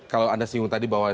kalau anda singgung tadi bahwa